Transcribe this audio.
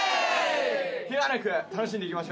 ケガなく楽しんでいきましょう。